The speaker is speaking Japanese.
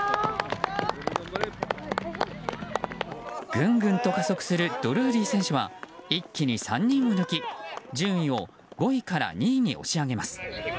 ぐんぐんと加速するドルーリー選手は一気に３人を抜き順位を５位から２位に押し上げます。